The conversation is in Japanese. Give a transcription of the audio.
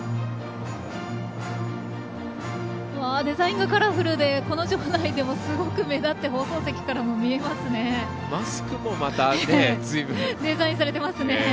デザインがカラフルでこの場内でも、すごく目立って放送席からも見えますね。